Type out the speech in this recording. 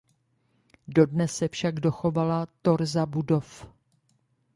Dodnes se však dochovala torza budov.